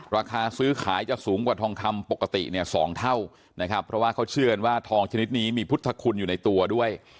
ราคาซื้อขายจะสูงกว่าทองคำปกติเนี่ย๒เท่านะครับเพราะว่าเขาเชื่อกันว่าทองชนิดนี้มีพุทธคุณอยู่ในตัวด้วย